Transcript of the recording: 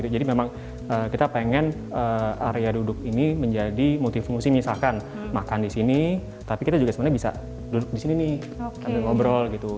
jadi memang kita pengen area duduk ini menjadi multifungsi misalkan makan di sini tapi kita juga sebenarnya bisa duduk di sini nih